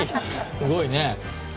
すごいね。